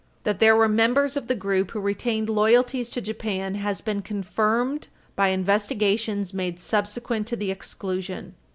That there were members of the group who retained loyalties to Japan has been confirmed by investigations made subsequent to the exclusion.